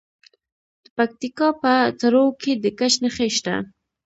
د پکتیکا په تروو کې د ګچ نښې شته.